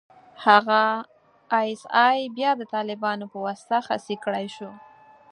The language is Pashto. هغه ای اس ای بيا د طالبانو په واسطه خصي کړای شو.